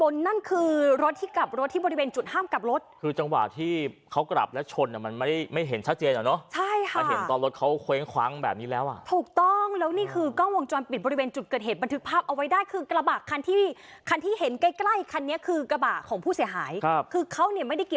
นั่นคือรถที่กลับรถที่บริเวณจุดห้ามกลับรถคือจังหวะที่เขากลับและชนอ่ะมันไม่ได้ไม่เห็นชัดเจนอ่ะเนาะใช่ค่ะเห็นตอนรถเขาเคว้งคว้างแบบนี้แล้วอ่ะถูกต้องแล้วนี่คือกล้องวงจรปิดบริเวณจุดเกิดเหตุบันทึกภาพออกแล้วนี่คือกล้องวงจรปิดบริเวณจุดเกิดเหตุบันทึกภาพออกแล้วนี่ค